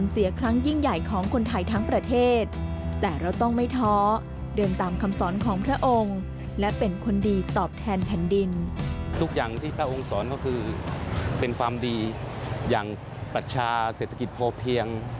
ทุกอย่างที่พระองค์สอนก็คือเป็นความดีอย่างปัชชาเศรษฐกิจพอเพียง